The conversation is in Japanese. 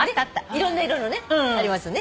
いろんな色のねありますよね。